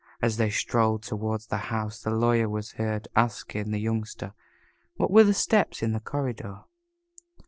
As they strolled toward the house the Lawyer was heard asking the Youngster, "What were the steps in the corridor?"